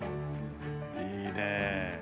いいねえ。